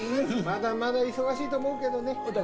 まだまだ忙しいと思うけどね。